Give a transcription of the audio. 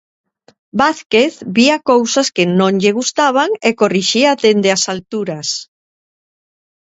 Vázquez vía cousas que non lle gustaban e corrixía dende as alturas.